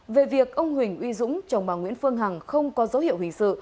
về việc ông huỳnh uy dũng chồng bà nguyễn phương hằng không có dấu hiệu hình sự